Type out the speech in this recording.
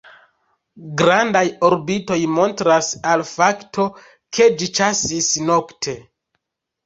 Grandaj orbitoj montras al fakto, ke ĝi ĉasis nokte.